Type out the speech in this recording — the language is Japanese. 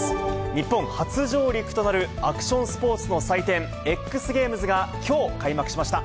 日本初上陸となるアクションスポーツの祭典、ＸＧａｍｅｓがきょう開幕しました。